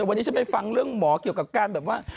วันนี้ฉันไปฟังเรื่องหมอเกี่ยวกับการแบบว่า